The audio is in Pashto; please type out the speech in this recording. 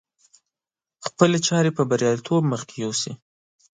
خپلې چارې په برياليتوب مخکې يوسي.